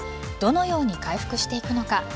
どのように回復していくのか。